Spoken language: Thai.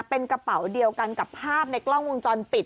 เป็นกระเป๋าเดียวกันกับภาพในกล้องวงจรปิด